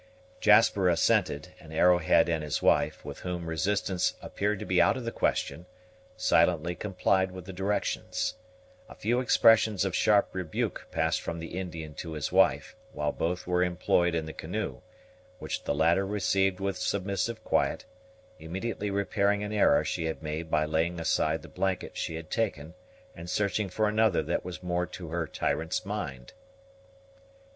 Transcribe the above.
Jasper assented, and Arrowhead and his wife, with whom resistance appeared to be out of the question, silently complied with the directions. A few expressions of sharp rebuke passed from the Indian to his wife, while both were employed in the canoe, which the latter received with submissive quiet, immediately repairing an error she had made by laying aside the blanket she had taken and searching for another that was more to her tyrant's mind.